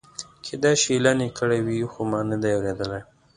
کېدای شي اعلان یې کړی وي خو ما نه دی اورېدلی.